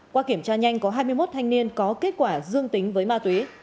qua kiểm tra nhanh có hai mươi một thanh niên có kết quả dương tính với ma túy